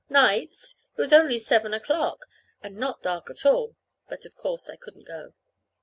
Nights! And it was only seven o'clock, and not dark at all! But of course I couldn't go.